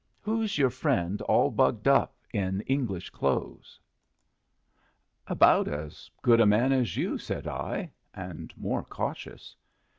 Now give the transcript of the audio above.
"Who's your friend all bugged up in English clothes?" "About as good a man as you," said I, "and more cautious."